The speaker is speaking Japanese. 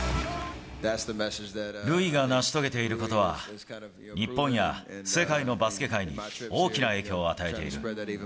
ルイが成し遂げていることは、日本や世界のバスケ界に大きな影響を与えている。